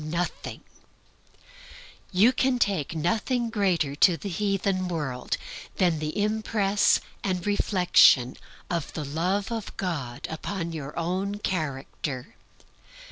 Missionaries can take nothing greater to the heathen world than the impress and reflection of the Love of God upon their own character.